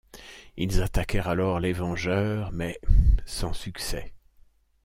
Ils attaquèrent alors les Vengeurs, mais sans succès.